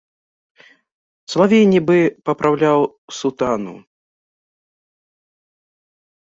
Салавей нібы папраўляў сутану.